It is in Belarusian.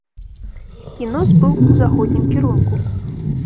І нос быў у заходнім кірунку.